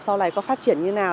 sau này có phát triển như nào